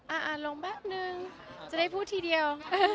อ่านลงแป๊บนึงจะได้พูดทีเดียว